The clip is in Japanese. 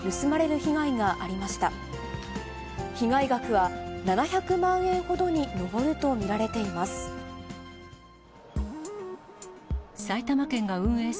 被害額は７００万円ほどに上ると見られています。